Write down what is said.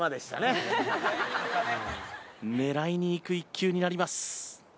狙いにいく１球になります。